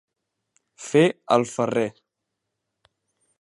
Fer el ferrer.